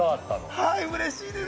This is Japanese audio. はいうれしいです！